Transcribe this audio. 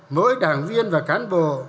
mỗi đảng viên và cán bộ